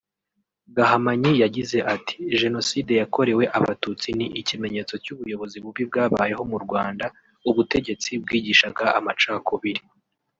Gahamanyi yagize ati “Jenoside yakorewe Abatutsi ni ikimenyetso cy’ubuyobozi bubi bwabayeho mu Rwanda ubutegetsi bwigishaga amacakubiri